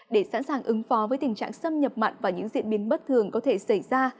để sẵn sàng ứng phó với tình trạng xâm nhập mặn và những diễn biến bất thường có thể xảy ra